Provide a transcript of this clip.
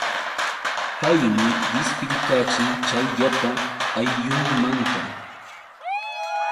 Paymi dispidikachin chay llapa ayllunmanta.